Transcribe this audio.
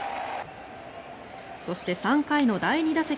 そして、３回の第２打席。